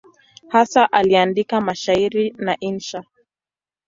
Hasa aliandika mashairi na insha.